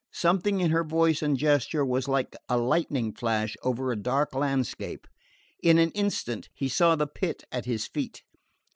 Something in her voice and gesture was like a lightning flash over a dark landscape. In an instant he saw the pit at his feet.